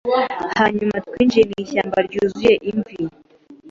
Hanyuma twinjiye mwishyamba ryuzuye imvi